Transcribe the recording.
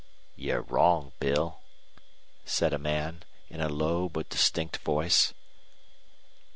"You're wrong, Bill," said a man, in a low but distinct voice.